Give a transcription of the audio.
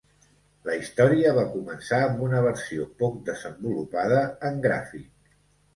La història va començar amb una versió poc desenvolupada en gràfic.